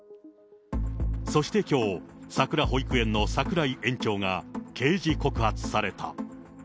そしてきょう、さくら保育園の櫻井園長が刑事告発された。